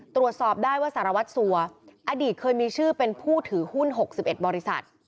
ตรวจสอบได้ว่าสารวัตรสัวอดีตเคยมีชื่อเป็นผู้ถือหุ้น๖๑บริษัท